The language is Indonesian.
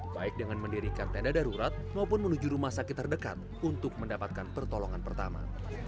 baik dengan mendirikan tenda darurat maupun menuju rumah sakit terdekat untuk mendapatkan pertolongan pertama